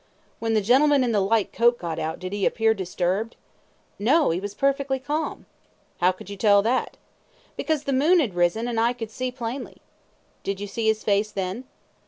Q. When the gentleman in the light coat got out did he appear disturbed? A. No; he was perfectly calm. Q. How could you tell that? A. Because the moon had risen, and I could see plainly. Q. Did you see his face then?